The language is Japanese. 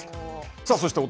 さあそしてお隣。